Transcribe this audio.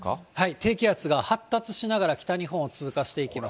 低気圧が発達しながら北日本を通過していきます。